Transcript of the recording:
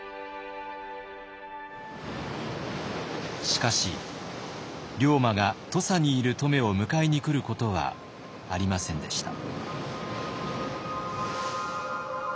しかし龍馬が土佐にいる乙女を迎えに来ることはありませんでした。